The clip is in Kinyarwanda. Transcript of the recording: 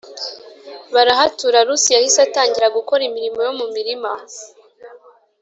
barahatura Rusi yahise atangira gukora imirimo yo mu mirima